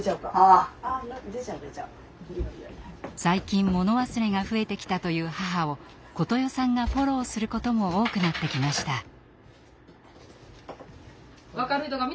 最近物忘れが増えてきたという母を琴世さんがフォローすることも多くなってきました。